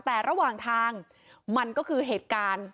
แต่ระหว่างทางมันก็คือเหตุการณ์